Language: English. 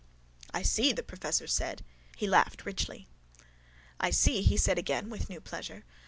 _ —I see, the professor said. He laughed richly. —I see, he said again with new pleasure.